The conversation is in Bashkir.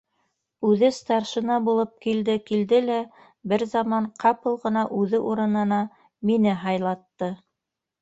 Үҙе старшина булып килде-килде лә, бер заман ҡапыл ғына үҙе урынына мине һайлатты.